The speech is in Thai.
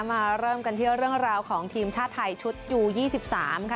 มาเริ่มกันที่เรื่องราวของทีมชาติไทยชุดยู๒๓ค่ะ